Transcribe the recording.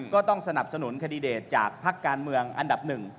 ก็ต้องสนับสนุนแคนดิเดตจากพักการเมืองอันดับหนึ่ง